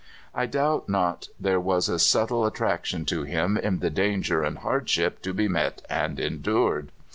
I doubt not there was a subtle attraction to him in the dan ger and hardship to be met and endured.